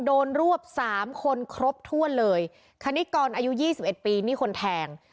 โดนรวบสามคนครบถ้วนเลยคณิกรอายุยี่สิบเอ็ดปีนี่คนแทง